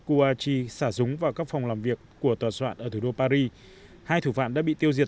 koachi xả súng vào các phòng làm việc của tòa soạn ở thủ đô paris hai thủ phạm đã bị tiêu diệt